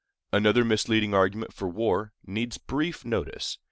Another misleading argument for war needs brief notice.